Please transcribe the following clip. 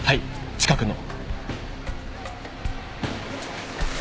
近くの。